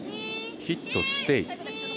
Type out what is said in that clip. ヒットステイ。